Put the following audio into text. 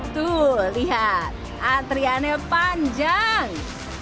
tuh lihat antriannya panjang